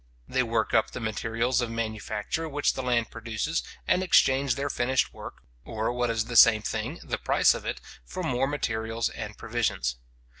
They work up the materials of manufacture which the land produces, and exchange their finished work, or, what is the same thing, the price of it, for more materials and provisions.